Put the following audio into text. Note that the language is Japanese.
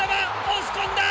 押し込んだ！